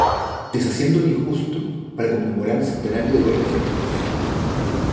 Deshaciendo lo injusto," para conmemorar el centenario de Gloria Fuertes.